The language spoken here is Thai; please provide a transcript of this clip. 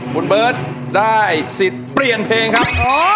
คุณเบิร์ตได้สิทธิ์เปลี่ยนเพลงครับ